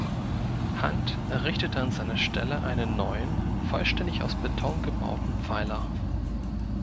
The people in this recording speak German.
Hunt errichtete an seiner Stelle einen neuen, vollständig aus Beton gebauten Pfeiler.